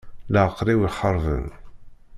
Leεqel-iw ixeṛben.